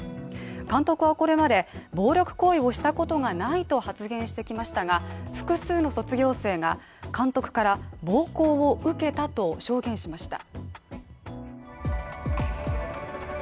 監督はこれまで暴力行為をしたことがないと発言してきましたが複数の卒業生が監督から暴行を受けたと証言しました。